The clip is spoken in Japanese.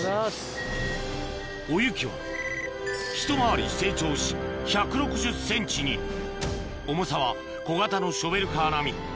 おゆきはひと回り成長し１６０ｃｍに重さは小型のショベルカー並み